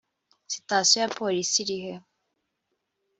sitasiyo ya polisi irihe